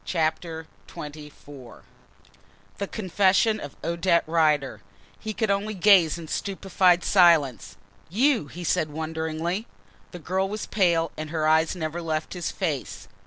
CHAPTER XXIV THE CONFESSION OF ODETTE RIDER He could only gaze in stupified silence. "You!" he said wonderingly. The girl was pale and her eyes never left his face.